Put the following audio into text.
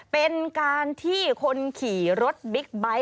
เป็นการที่คนขี่รถบิ๊กไบท์